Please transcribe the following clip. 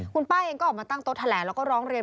คุณป้าเองก็ออกมาตั้งโต๊ะแถลงแล้วก็ร้องเรียน